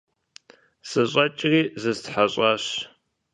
СыщӀэкӀри зыстхьэщӀащ.